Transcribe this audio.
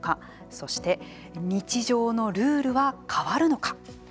そして日常のルールは変わるのか。